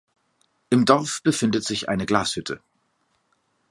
Im Dorf befindet sich eine Glashütte.